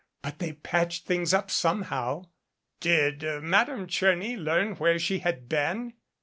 But they patched things up somehow." "Did Madame Tcherny learn where she had been?"